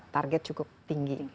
target cukup tinggi